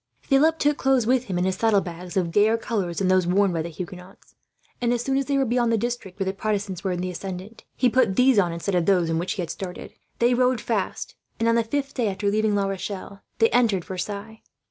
Philip took clothes with him, in his saddlebags, of gayer colours than those worn by the Huguenots; and as soon as they were beyond the district where the Protestants were in the ascendant, he put these on instead of those in which he had started. They rode fast and, on the fifth day after leaving La Rochelle, they entered Versailles.